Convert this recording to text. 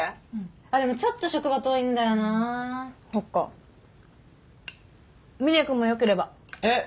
あっでもちょっと職場遠いんだよなーそっかみね君もよければえっ？